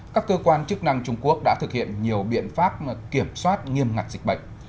các cơ quan chức năng trung quốc đã thực hiện nhiều biện pháp kiểm soát nghiêm ngặt dịch bệnh